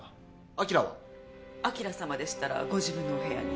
輝様でしたらご自分のお部屋に。